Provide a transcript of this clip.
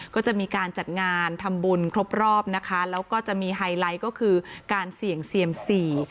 ก็จะมีการจัดงานทำบุญครบรอบนะคะแล้วก็จะมีไฮไลท์ก็คือการเสี่ยงเซียมสี่